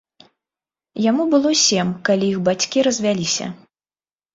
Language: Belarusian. Яму было сем, калі іх бацькі развяліся.